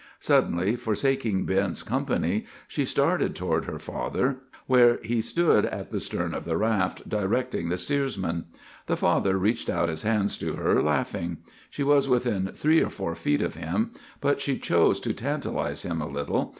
"Suddenly forsaking Ben's company, she started toward her father, where he stood at the stern of the raft, directing the steersmen. The father reached out his hands to her, laughing. She was within three or four feet of him, but she chose to tantalize him a little.